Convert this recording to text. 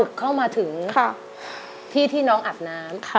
เข้ามาถึงที่ที่น้องอาบน้ำ